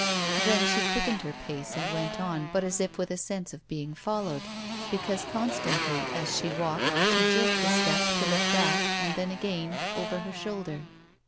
Then she quickened her pace and went on, but as if with a sense of being followed, because constantly as she walked she jerked a step, to look back, and then again, over her shoulder.